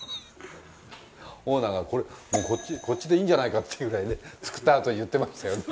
オーナーがもうこっちでいいんじゃないかっていうぐらいね作ったあとに言ってましたよね。